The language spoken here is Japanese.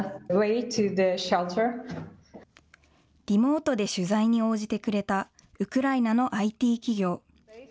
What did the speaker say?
リモートで取材に応じてくれたウクライナのＩＴ企業。